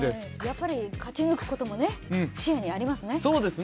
やっぱり勝ち抜くことも視野にありますね。